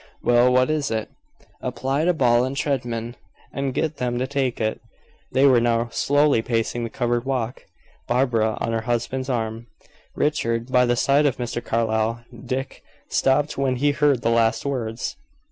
Well, what is it?" "Apply to Ball & Treadman, and get them to take it." They were now slowly pacing the covered walk, Barbara on her husband's arm, Richard by the side of Mr. Carlyle. Dick stopped when he heard the last words.